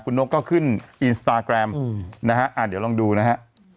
คุณนกก็ขึ้นอินสตาแกรมนะฮะเดี๋ยวลองดูนะฮะ